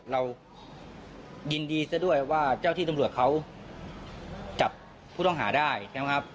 เรายินดีซะด้วยว่าเจ้าที่ตำรวจเขาจับผู้ต้องหาได้นะครับ